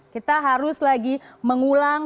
kita harus lagi mengulang